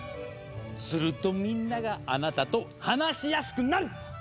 するとみんながあなたと話しやすくなる！